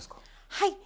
はい。